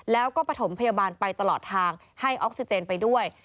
แล้วก็ปฐมพยาบาลไปตลอดทางให้ออกซิเจนไปด้วย